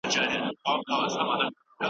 استادان بايد په صنفونو کي ښه لارښوونې وکړي.